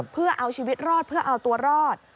เพื่อเอาชีวิตรอดเพื่อเอาตัวรอด